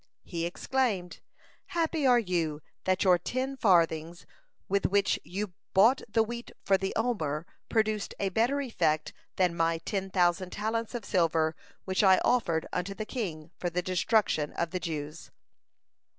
He exclaimed: "Happy are you that your ten farthings, with which you bought the wheat for the `Omer, produced a better effect than my ten thousand talents of silver, which I offered unto the king for the destruction of the Jews."